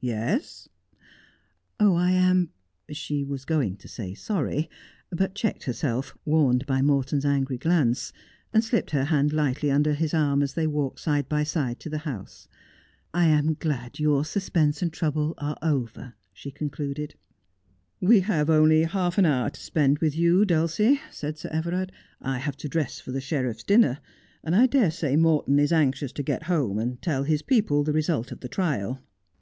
'Yes.' ' I am ' she was going to say sorry, but checked herself, warned by Morton's angry glance, and slipped her hand lightly under his arm as they walked side by side to the house. 'I am glad your suspense and trouble are over,' she concluded. ' We have only half an hour to spend with you, Dulcie,' said Sir Everard. ' 1 have to dress for the sheriffs dinner, and I dare say Morton is anxious to get home and tell his people the result of the trial.'